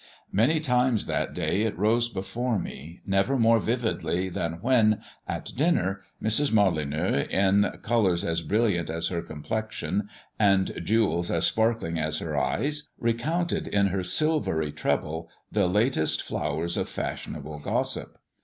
Many times that day it rose before me, never more vividly than when, at dinner, Mrs. Molyneux, in colours as brilliant as her complexion, and jewels as sparkling as her eyes, recounted in her silvery treble the latest flowers of fashionable gossip.